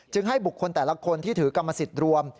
ให้บุคคลแต่ละคนที่ถือกรรมสิทธิ์รวม